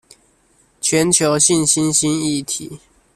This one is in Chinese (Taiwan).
全球性新興議題